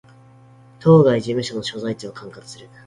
当該事務所の所在地を管轄する